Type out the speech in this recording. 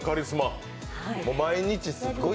毎日すっごい